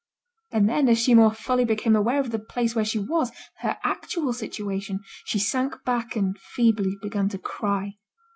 and then as she more fully became aware of the place where she was, her actual situation, she sank back and feebly began to cry.